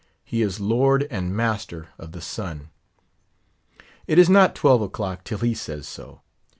He is lord and master of the sun. It is not twelve o'clock till he says so.